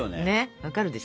分かるでしょ？